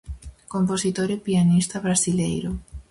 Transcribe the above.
Compositor e pianista brasileiro.